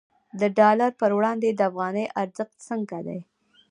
د ډالر پر وړاندې د افغانۍ ارزښت څنګه دی؟